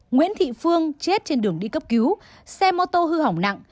nguyễn thị phương chết trên đường đi cấp cứu xe mô tô hư hỏng nặng